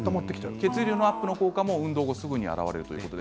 血流アップの効果が運動後すぐに現れるということで